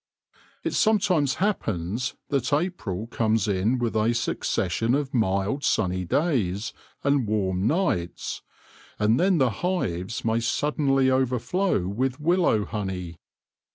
It sometimes happens that April comes in with a succession of mild sunny days and warm nights, and then the hives may suddenly overflow with willow honey.